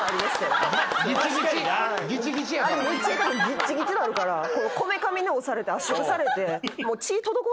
ぎっちぎちになるからこめかみが押されて圧縮されて。